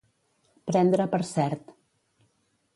Prendre per cert.